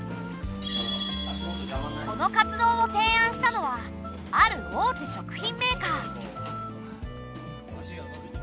この活動を提案したのはある大手食品メーカー。